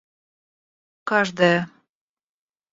каждая